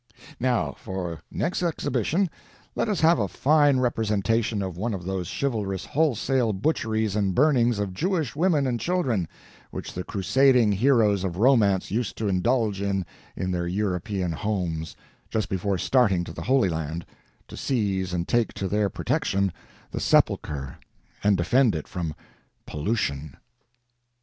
Now, for next exhibition, let us have a fine representation of one of those chivalrous wholesale butcheries and burnings of Jewish women and children, which the crusading heroes of romance used to indulge in in their European homes, just before starting to the Holy Land, to seize and take to their protection the Sepulchre and defend it from "pollution."